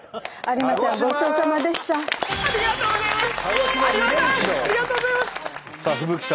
ありがとうございます！